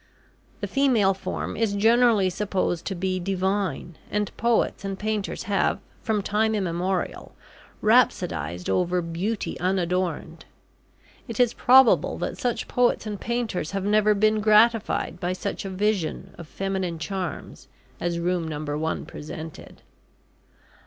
The female form is generally supposed to be "divine," and poets and painters have, from time immemorial, rhapsodised over "beauty unadorned." It is probable that such poets and painters have never been gratified by such a vision of feminine charms as Room Number One presented.